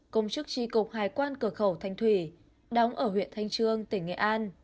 công chức tri cục hải quan cửa khẩu thanh thủy đóng ở huyện thanh trương tỉnh nghệ an